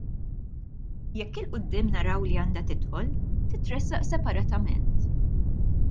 Jekk ' il quddiem naraw li għandha tidħol, titressaq separatament.